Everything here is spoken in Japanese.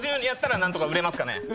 やったら何とか売れますかね。